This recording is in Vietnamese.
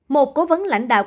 một cố vấn lãnh đạo